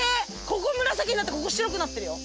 ここ紫になってここ白くなってるよ。